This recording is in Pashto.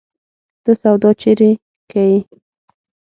ته سودا چيري کيې؟